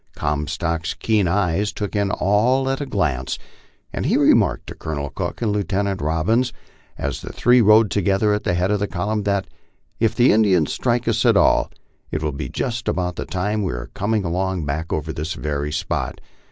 Gomstock's keen eyes took in all at a glance, and he remarked to Colonel Cook and Lieutenant Rob bins, as the three rode together at the head of the column, that '* If the Injuns strike us at all, it will be just about the time we are comin' along back over this very spot.